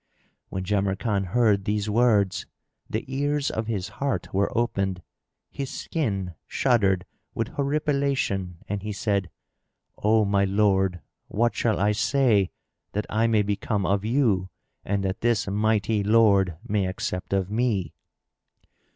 When Jamrkan heard these words, the ears of his heart were opened; his skin shuddered with horripilation and he said, "O my lord, what shall I say that I may become of you and that this mighty Lord may accept of me?"